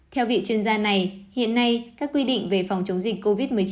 theo vị chuyên gia này hiện nay các quy định về phòng chống dịch covid một mươi chín